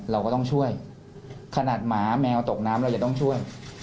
เราก็ต้องช่วยขนาดหมาแมวตกน้ำเราจะต้องช่วย